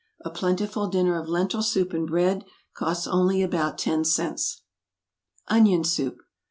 A plentiful dinner of lentil soup and bread costs only about ten cents. =Onion Soup.